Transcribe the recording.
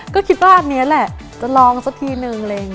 ก็คิดว่าอันนี้แหละจะลองสักทีหนึ่ง